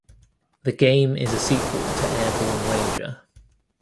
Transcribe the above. The game is a sequel to "Airborne Ranger".